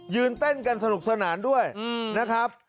เต้นกันสนุกสนานด้วยนะครับ